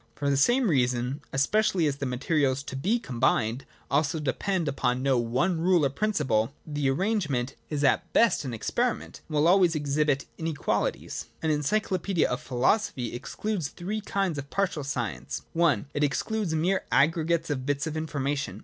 For the same reason, especially as the materials to be combined also depend upon no one rule or principle, the arrangement is at best an experiment, and will always exhibit inequalities. An encyclopaedia of philosophy excludes three kinds of partial science. I. It excludes mere aggregates of bits of information.